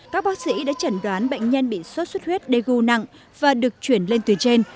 các bác sĩ đã chẩn đoán bệnh nhân bị sốt xuất huyết đê gu nặng và được chuyển lên từ trên